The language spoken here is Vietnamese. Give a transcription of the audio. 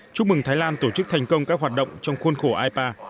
chúc mừng thái lan tổ chức thành công các hoạt động trong khuôn khổ ipa